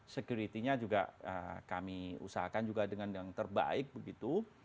securitinya juga kami usahakan juga dengan yang terbaik begitu